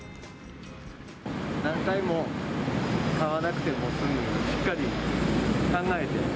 何回も買わなくても済むように、しっかり考えて。